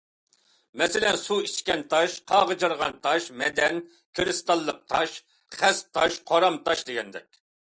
مەسىلەن، سۇ ئىچكەن تاش، قاغجىرىغان تاش، مەدەن كىرىستاللىق تاش، خەس تاش، قورام تاش... دېگەندەك.